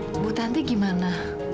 bu bu tante gimana